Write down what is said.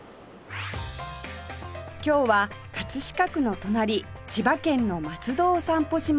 今日は飾区の隣千葉県の松戸を散歩します